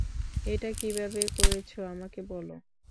এটা কিভাবে করেছ আমাকে বল!